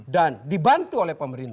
dan dibantu oleh pemerintah